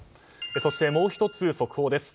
そして、もう１つ速報です。